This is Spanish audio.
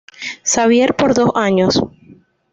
Xavier por dos años.